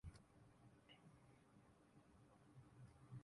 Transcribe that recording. ہم نے طالب علموں کو بتایا کہ وہ ہمارے ہیرو ہیں۔